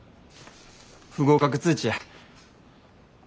不合格通知や。